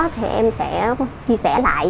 thì em sẽ chia sẻ lại